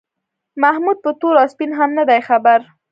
محمود په تور او سپین هم نه دی خبر.